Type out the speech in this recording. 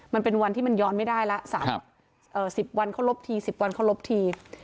มันเป็นวันที่มันย้อนไม่ได้ละ๑๐วันเขาลบที๑๐วันเขาลบที